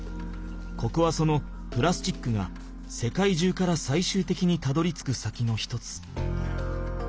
ここはそのプラスチックが世界中からさいしゅうてきにたどりつく先の一つ。